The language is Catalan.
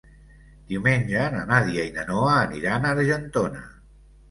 Diumenge na Nàdia i na Noa aniran a Argentona.